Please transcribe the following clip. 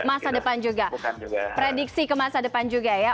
masa depan juga prediksi ke masa depan juga ya